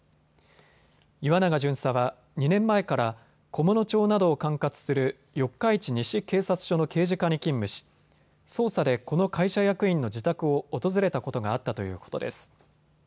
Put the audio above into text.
岩永巡査は２年前から菰野町などを管轄する四日市西警察署の刑事課に勤務し捜査でこの会社役員の自宅を訪れたことがあったということです。